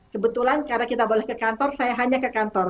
kebetulan karena kita boleh ke kantor saya hanya ke kantor